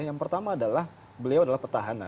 yang pertama adalah beliau adalah petahana